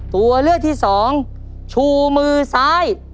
ตัวเลือกที่สองชูมือซ้าย